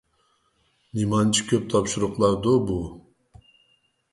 نېمانچە كۆپ تاپشۇرۇقلاردۇ بۇ؟